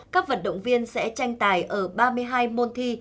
các vận động viên sẽ tranh tài ở ba mươi hai môn thi